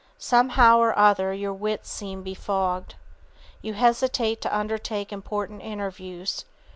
Somehow or other, your wits seem befogged. You hesitate to undertake important interviews.